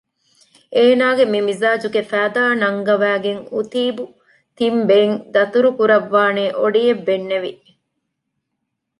އޭނާގެ މި މިޒާޖުގެ ފައިދާ ނަންގަވައިގެން އުތީބު ތިން ބެއިން ދަތުރު ކުރައްވާނޭ އޮޑިއެއް ބެންނެވި